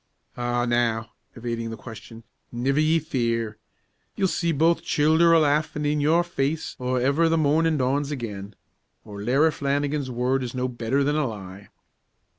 "Ah, now!" evading the question; "niver ye fear. Ye'll see both childer a laughin' in your face or ever the mornin' dawns again, or Larry Flannigan's word's no betther than a lie."